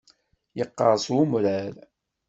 Yeqqeṛs umrar.